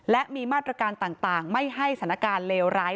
และมีมาตรการต่างไม่ให้สถานการณ์เลวร้าย